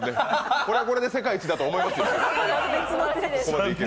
これはこれで世界一だと思いますよ。